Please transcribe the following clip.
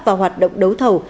và hoạt động đấu thẩu